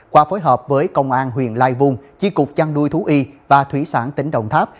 qua phối hợp với công an huyện lai vung chi cục chăn nuôi thú y và thủy sản tỉnh đồng tháp